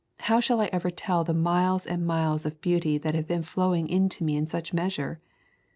How shall I ever tell of the miles and miles of beauty that have been flowing into me in such measure?